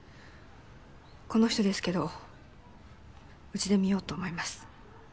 この人ですけどうちで見ようと思います。